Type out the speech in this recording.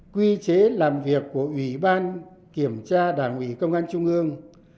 quy chế làm việc của ủy ban kiểm tra đảng ủy công an trung ương